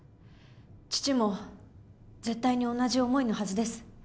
父も絶対に同じ思いのはずです